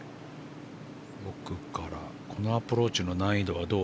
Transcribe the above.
奥から、このアプローチの難易度はどう？